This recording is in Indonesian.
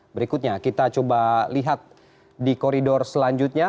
berikutnya kita coba lihat di koridor selanjutnya